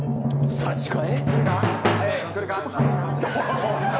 差し替え。